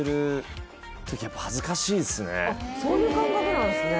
あっそういう感覚なんですね